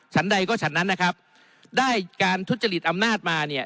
ใดก็ฉันนั้นนะครับได้การทุจริตอำนาจมาเนี่ย